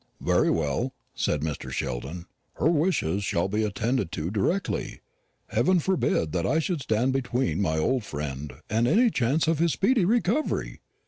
"Very well," said Mr. Sheldon; "her wishes shall be attended to directly. Heaven forbid that I should stand between my old friend and any chance of his speedy recovery!